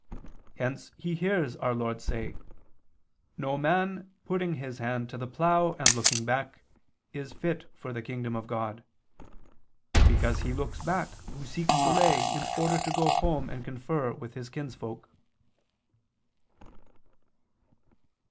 Hence he hears our Lord say: 'No man putting his hand to the plough, and looking back, is fit for the kingdom of God,' because he looks back who seeks delay in order to go home and confer with his kinsfolk."